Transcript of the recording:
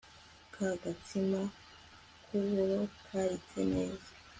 ka gatsima k'uburo karitse neza